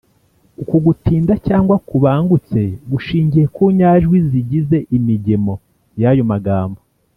Uku gutinda cyangwa kubangutse gushingiye ku nyajwi zigize imigemo y’ayo magambo.